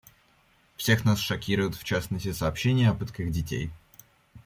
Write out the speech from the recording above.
Всех нас шокируют, в частности, сообщения о пытках детей.